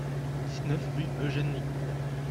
dix-neuf rue Eugène Nicot